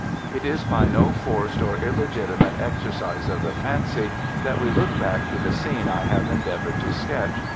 It is by no forced or illegitimate exercise of the fancy, that we look back to the scene I have endeavored to sketch.